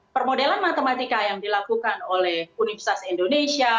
permodelan matematika yang dilakukan oleh universitas indonesia